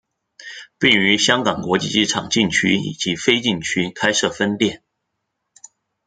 并于香港国际机场禁区及非禁区开设分店。